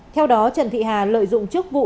theo đó trần thị hà lợi dụng chức vụ